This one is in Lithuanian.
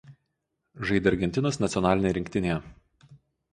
Žaidė Argentinos nacionalinėje rinktinėje.